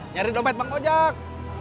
nyari dompet bang kojak